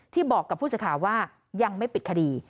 ที่บอกกับผู้สาขาว่ายังไม่ปิดคดี